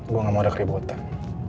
gue gak mau ada keributan